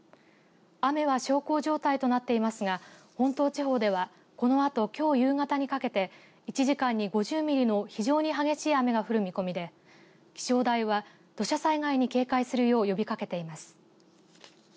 雨は、小康状態となっていますが本島地方ではこのあときょう夕方にかけて１時間に５０ミリの非常に激しい雨が降る見込みで気象台は土砂災害に警戒するよう呼びかけています。